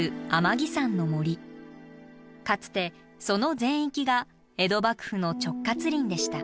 かつてその全域が江戸幕府の直轄林でした。